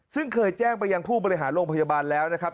ซึ่งเคยแจ้งไปยังผู้บริหารโรงพยาบาลแล้วนะครับ